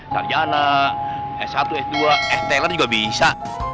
sarjana s satu s dua s teler juga bisa